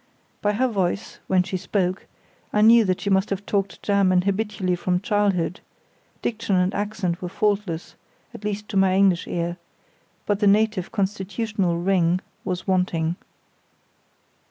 By her voice, when she spoke, I knew that she must have talked German habitually from childhood; diction and accent were faultless, at least to my English ear; but the native constitutional ring was wanting.